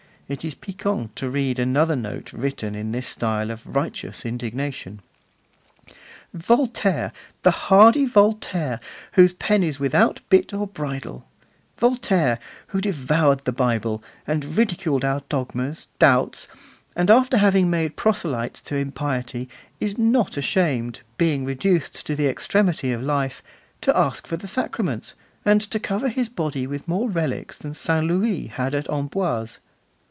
It is piquant to read another note written in this style of righteous indignation: Voltaire, the hardy Voltaire, whose pen is without bit or bridle; Voltaire, who devoured the Bible, and ridiculed our dogmas, doubts, and after having made proselytes to impiety, is not ashamed, being reduced to the extremity of life, to ask for the sacraments, and to cover his body with more relics than St. Louis had at Amboise.